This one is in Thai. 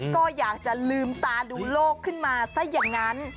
ก็อยากจะลืมตาดูโลกขึ้นมาซะอย่างนั้น